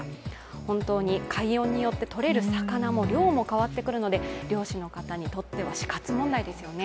本当に海温によって魚のとれる量も変わってくるので漁師の方にとっては死活問題ですよね。